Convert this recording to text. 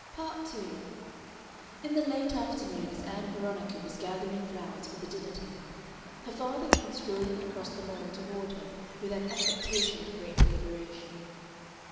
Part 2 In the late afternoon, as Ann Veronica was gathering flowers for the dinner table, her father came strolling across the lawn toward her with an affectation of great deliberation.